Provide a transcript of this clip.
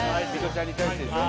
ちゃんに対してでしょ？